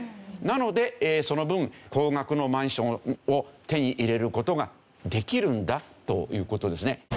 なのでその分高額のマンションを手に入れる事ができるんだという事ですね。